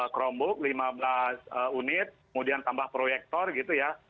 chromebook lima belas unit kemudian tambah proyektor gitu ya